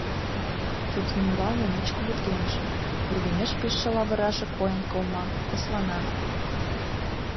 Тудын ӱмбалне ночко вургемже, вургемеш пижше лавыраже койын кылма, кослана.